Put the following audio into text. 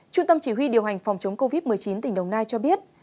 trung tâm chỉ huy điều hành phòng chống covid một mươi chín tỉnh đồng nai cho biết